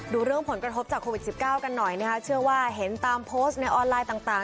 ดูเรื่องผลกระทบจากโควิด๑๙กันหน่อยนะคะเชื่อว่าเห็นตามโพสต์ในออนไลน์ต่าง